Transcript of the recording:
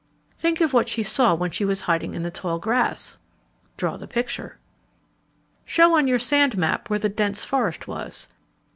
_ Think of what she saw when she was hiding in the tall grass. Draw the picture. _Show on your sand map where the dense forest was.